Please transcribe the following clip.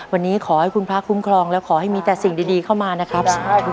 วันนี้ขอให้คุณพระคุ้มครองและขอให้มีแต่สิ่งดีเข้ามานะครับ